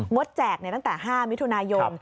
ดแจกตั้งแต่๕มิถุนายน